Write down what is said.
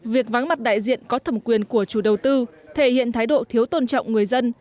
việc vắng mặt đại diện có thẩm quyền của chủ đầu tư thể hiện thái độ thiếu tôn trọng người dân